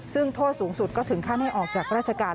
ซึ่งโทษสูงสุดก็ถึงขั้นให้ออกจากราชการ